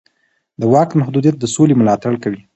د واک محدودیت د سولې ملاتړ کوي